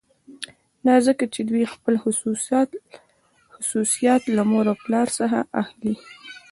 دا ځکه چې دوی خپل خصوصیات له مور او پلار څخه اخلي